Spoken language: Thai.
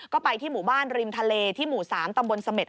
ก็ไปที่หมู่บ้านริมทะเลที่หมู่๓ตำบลเสม็ด